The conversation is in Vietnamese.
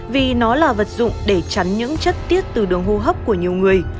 vì nó là vật dụng để chắn những chất tiết từ đường hô hấp của nhiều người